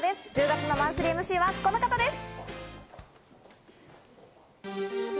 １０月のマンスリーＭＣはこの方です！